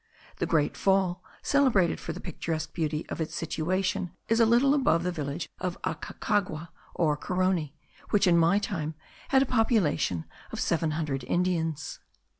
The great fall, celebrated for the picturesque beauty of its situation, is a little above the village of Aguacaqua, or Carony, which in my time had a population of seven hundred Indians.